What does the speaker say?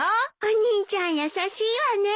お兄ちゃん優しいわね。